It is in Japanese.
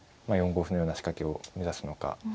４五歩のような仕掛けを目指すのか。